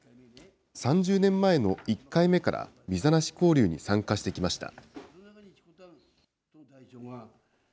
３０年前の１回目から、ビザなし交流に参加してきました。